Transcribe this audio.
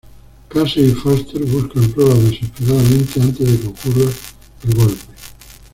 Casey y Foster buscan pruebas desesperadamente antes de que ocurra el golpe.